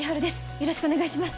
よろしくお願いします。